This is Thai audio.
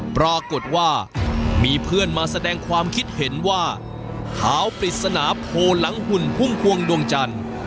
ปรากฏว่ามีเพื่อนมาแสดงความคิดเห็นว่าขาวปริศนาโพหลังหุ่นพุ่มพวงดวงจันทร์